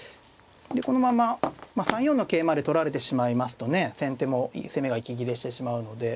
このまま３四の桂まで取られてしまいますとね先手も攻めが息切れしてしまうので。